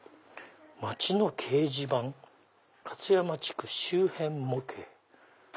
「まちの掲示板勝山地区周辺模型」。